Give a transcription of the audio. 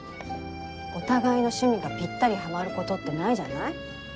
お互いの趣味がぴったりはまることってないじゃない？